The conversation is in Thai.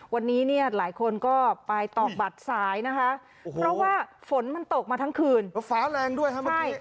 วันนี้เนี่ยหลายคนก็ไปตอกบัตรสายนะคะเพราะว่าฝนมันตกมาทั้งคืนแล้วฟ้าแรงด้วยครับเมื่อกี้